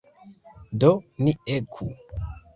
Do, ni eku!